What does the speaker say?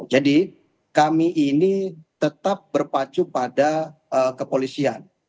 jadi kami ini tetap berpacu pada kepolisian